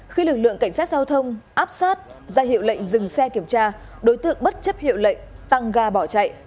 khi lực lượng cảnh sát giao thông áp sát ra hiệu lệnh dừng xe kiểm tra đối tượng bất chấp hiệu lệnh tăng ga bỏ chạy